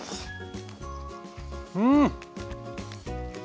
うん！